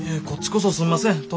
こっちこそすんません。